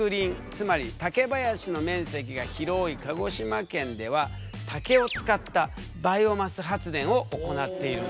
つまり竹林の面積が広い鹿児島県では竹を使ったバイオマス発電を行っているんだ。